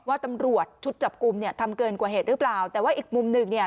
ว่าตำรวจชุดจับกลุ่มเนี่ยทำเกินกว่าเหตุหรือเปล่าแต่ว่าอีกมุมหนึ่งเนี่ย